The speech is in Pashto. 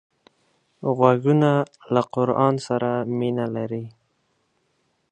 غوږونه له قرآن سره مینه لري